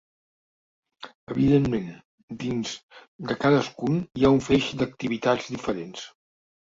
Evidentment, dins de cadascun hi ha un feix d’activitats diferents.